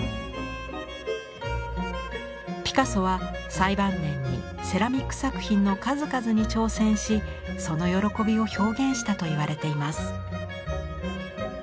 ピカソは最晩年にセラミック作品の数々に挑戦しその喜びを表現したといわれています。